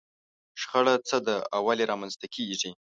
شخړه څه ده او ولې رامنځته کېږي؟